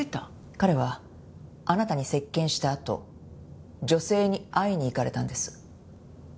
彼はあなたに接見したあと女性に会いに行かれたんです。